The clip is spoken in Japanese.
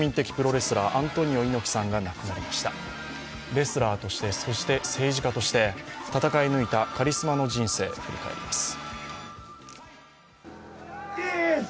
レスラーとして、そして政治家として、戦い抜いたカリスマの人生を振り返ります。